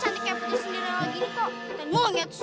kayaknya punya sendirian lagi kok dan monyet sih